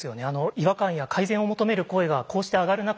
違和感や改善を求める声がこうして上がる中